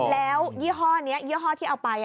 แล้วยี่ห้อนี้ยี่ห้อที่เอาไป